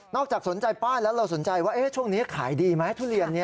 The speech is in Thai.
จากสนใจป้ายแล้วเราสนใจว่าช่วงนี้ขายดีไหมทุเรียน